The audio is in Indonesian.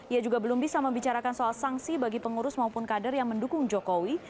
ia juga belum bisa membicarakan soal sanksi bagi pengurus maupun kader yang mendukung jokowi